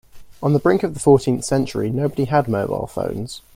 On the brink of the fourteenth century, nobody had mobile phones.